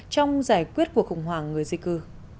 trong giải quyết của khủng hoảng người di cư